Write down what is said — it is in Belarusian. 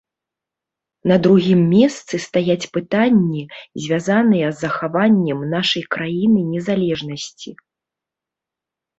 На другім месцы стаяць пытанні, звязаныя з захаваннем нашай краіны незалежнасці.